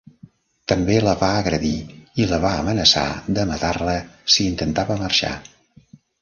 També la va agredir i la va amenaçar de matar-la si intentava marxar.